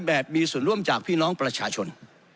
แบบมีส่วนร่วมจากพี่น้องประชาชน